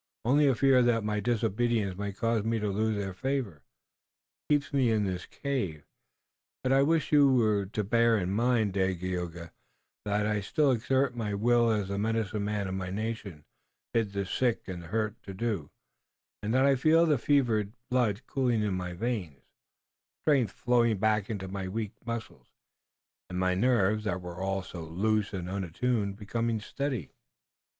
Only a fear that my disobedience might cause me to lose their favor keeps me in the cave. But I wish you to bear in mind, Dagaeoga, that I still exert my will as the medicine men of my nation bid the sick and the hurt to do, and that I feel the fevered blood cooling in my veins, strength flowing back into my weak muscles, and my nerves, that were all so loose and unattuned, becoming steady."